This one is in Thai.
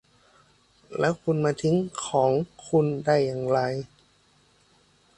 แล้วคุณมาทิ้งของของคุณได้อย่างไร ?